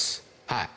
はい。